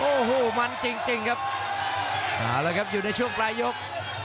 โอ้โหมันจริงครับอ๋ออะไรครับอยู่ในช่วงปลายยก